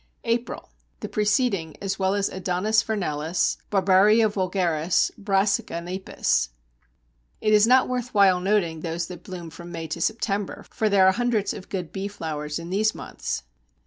April: The preceding as well as Adonis vernalis, Barbarea vulgaris, Brassica napus. It is not worth while noting those that bloom from May to September, for there are hundreds of good bee flowers in these months.